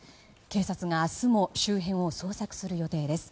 警察が明日も周辺を捜索する予定です。